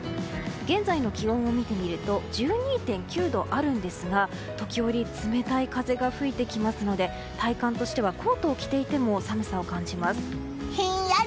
現在の気温を見てみると１２．９度あるんですが時折、冷たい風が吹いてきますので体感としてはコートを着ていても寒さを感じます。